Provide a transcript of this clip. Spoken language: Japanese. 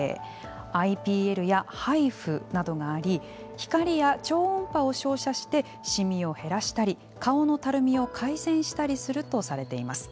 ＩＰＬやハイフなどがあり光や超音波を照射してシミを減らしたり、顔のたるみを改善したりするとされています。